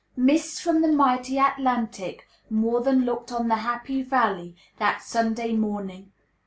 "Mists from the mighty Atlantic" more than "looked on the happy valley" that Sunday morning.